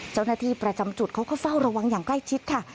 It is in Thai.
เจ้าหน้าที่ประจำจุดเขาก็เฝ้าระวังอย่างใกล้ชิดค่ะ